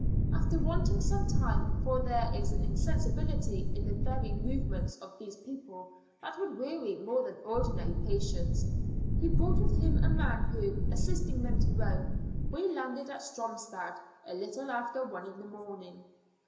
After waiting some time, for there is an insensibility in the very movements of these people that would weary more than ordinary patience, he brought with him a man who, assisting them to row, we landed at Stromstad a little after one in the morning.